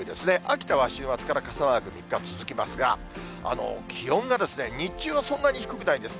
秋田は週末から傘マーク３日続きますが、気温がですね、日中はそんなに低くないんです。